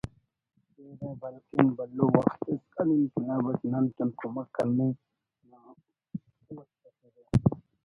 کیرہ بلکن بھلو وخت اسکان انقلاب اٹ نن تون کمک کننگ نا ہم وس تخرہ